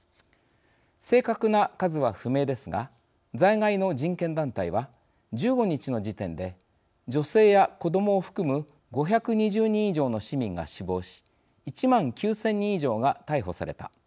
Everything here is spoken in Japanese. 正確な数は不明ですが在外の人権団体は１５日の時点で女性や子どもを含む５２０人以上の市民が死亡し１万９０００人以上が逮捕された。